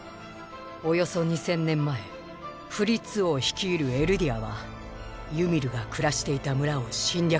およそ二千年前フリッツ王率いる「エルディア」はユミルが暮らしていた村を侵略しました